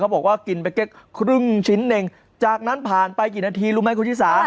บอกว่ากินไปแค่ครึ่งชิ้นเองจากนั้นผ่านไปกี่นาทีรู้ไหมคุณชิสา